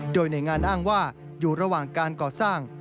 โดยหน่วยงานอ้างว่าอยู่ระหว่างการก่อสร้าง